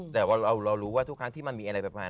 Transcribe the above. แต่ว่าเรารู้ว่าทุกครั้งที่มันมีอะไรประมาณ